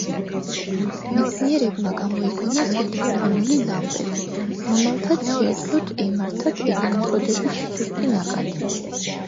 მეცნიერებმა გამოიგონეს ელექტრონული ლამპები, რომელთაც შეეძლოთ ემართათ ელექტროდების სუსტი ნაკადი.